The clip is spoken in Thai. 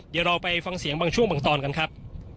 เดี๋ยวเราไปฟังเสียงบางช่วงบางตอนกันครับ